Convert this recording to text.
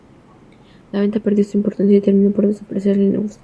La venta perdió su importancia y terminó por desaparecer el negocio.